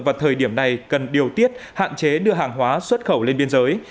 vào thời điểm này cần điều tiết hạn chế đưa hàng hóa xuất khẩu lên biên giới